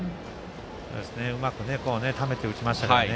うまくためて打ちましたね。